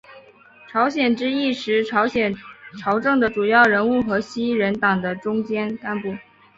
朝鲜之役时朝鲜朝政的主要人物和西人党的中坚干部。